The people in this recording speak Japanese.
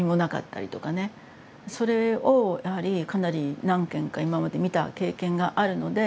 それをやはりかなり何件か今まで見た経験があるので。